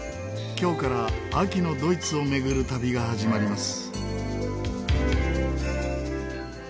今日から秋のドイツを巡る旅が始まります。